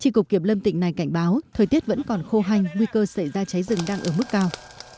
tri cục kiểm lâm tỉnh này cảnh báo thời tiết vẫn còn khô hành nguy cơ xảy ra cháy rừng đang ở mức cao